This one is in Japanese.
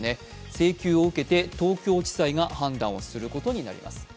請求を受けて東京地裁が判断をすることになります。